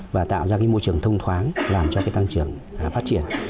và tạo ra môi trường thông thoáng làm cho cái tăng trưởng phát triển